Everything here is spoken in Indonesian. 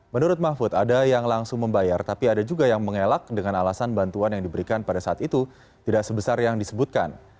menurut mahfud ada yang langsung membayar tapi ada juga yang mengelak dengan alasan bantuan yang diberikan pada saat itu tidak sebesar yang disebutkan